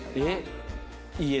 えっ！